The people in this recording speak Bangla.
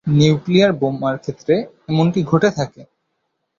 নিউক্লিয়ার বোমার ক্ষেত্রে এমনটি ঘটে থাকে।